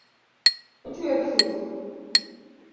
Ochuer tutu?